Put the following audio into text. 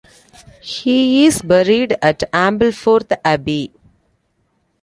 He is buried at Ampleforth Abbey.